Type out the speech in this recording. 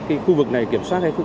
khu vực này kiểm soát hay không